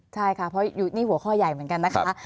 ใช่ค่ะเพราะอยู่นี่หัวข้อใหญ่เหมือนกันนะคะ